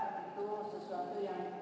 itu sesuatu yang